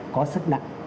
có sức nặng